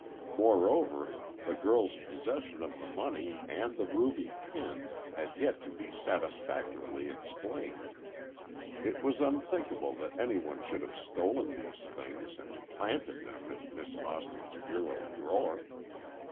Moreover, the girl's possession of the money and the ruby pin had yet to be satisfactorily explained. It was unthinkable that anyone should have stolen these things and "planted" them in Miss Austin's bureau drawer!